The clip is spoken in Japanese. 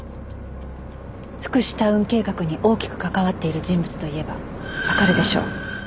福祉タウン計画に大きく関わっている人物と言えばわかるでしょ？